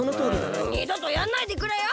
もうにどとやんないでくれよ！